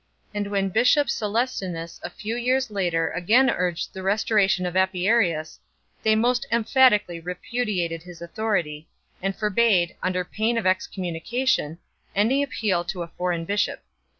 And when bishop Caslestinus a few years later again urged the restoration of Apiarius, they most em phatically repudiated his authority, and forbade, under pain of excommunication, any appeal to a foreign bishop.